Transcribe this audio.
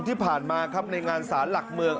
ที่ผ่านมาครับในงานศาลหลักเมือง